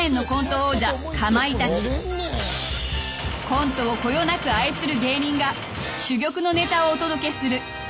［コントをこよなく愛する芸人が珠玉のネタをお届けする『ＴＨＥＣＯＮＴＥ』